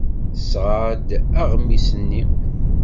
Tesɣa-d aɣmis-nni.